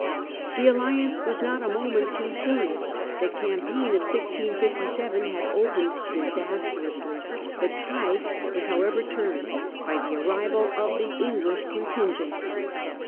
The alliance was not a moment too soon. The cam paign of 1657 had opened disastrously. The tide was however turned by the arrival of the English contingent.